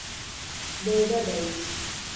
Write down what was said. Deus é dez.